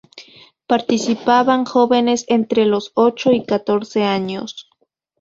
Participaban jóvenes entre los ocho y catorce años.